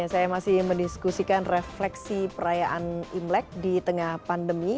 saya masih mendiskusikan refleksi perayaan imlek di tengah pandemi